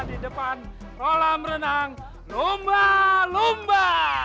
kita berada di depan kolam renang lumba lumba